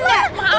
eh lepasin gak